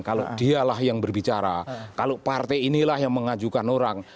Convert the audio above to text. kalau dialah yang berbicara kalau partai inilah yang mengajukan orang